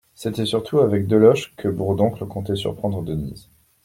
C'était surtout avec Deloche que Bourdoncle comptait surprendre Denise.